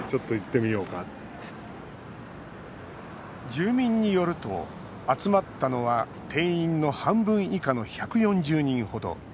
住民によると集まったのは定員の半分以下の１４０人ほど。